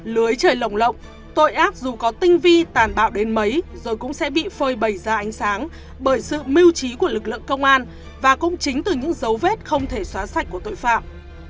lưới trời lồng lộng tội ác dù có tinh vi tàn bạo đến mấy rồi cũng sẽ bị phơi bầy ra ánh sáng bởi sự mưu trí của lực lượng công an và cũng chính từ những dấu vết không thể xóa sạch của tội phạm